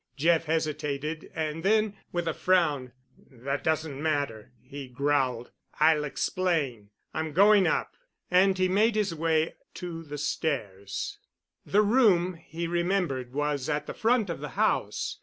Jeff hesitated, and then, with a frown: "That doesn't matter," he growled. "I'll explain. I'm going up," and he made his way to the stairs. The room, he remembered, was at the front of the house.